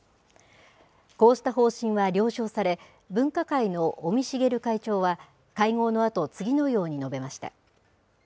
こうした方針は了承され、分科会の尾身茂会長は、会合のあと、次のように述べました。